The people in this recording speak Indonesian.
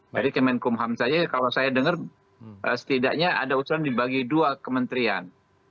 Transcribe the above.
jadi kemenkum ham saya kalau saya dengar setidaknya ada usulan dibagi dua kementerian